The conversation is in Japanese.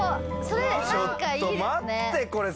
ちょっと待って、これ。